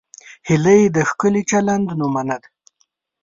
هیلۍ د ښکلي چلند نمونه ده